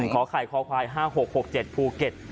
ขอไข่คอควาย๕๖๖๗ภูเก็ต